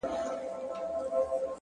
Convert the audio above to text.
هوښیار انتخاب ستونزې له مخکې کموي؛